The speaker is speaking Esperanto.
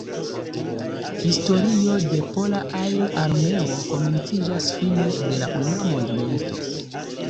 Historio de Pola Aer-Armeo komenciĝas fine de la unua mondmilito.